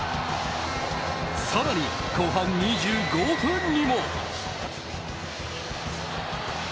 更に後半２５分にも。